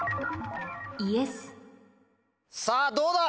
さぁどうだ？